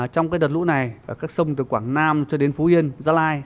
trong đợt lũ này các sông từ quảng nam cho đến phú yên gia lai